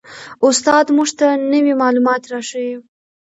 استاد موږ ته نوي معلومات را ښیي